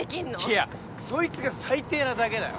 いやそいつが最低なだけだよ